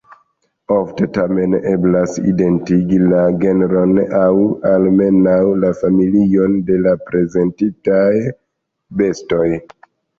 Ofte tamen eblas identigi la genron aŭ almenaŭ la familion de la prezentitaj bestoj.